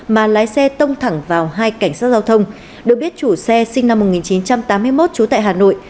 mà lái xe tông thẳng vào hai cảnh sát giao thông được biết chủ xe sinh năm một nghìn chín trăm tám mươi một trú tại hà nội